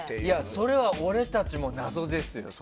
それは俺たちも謎ですよ。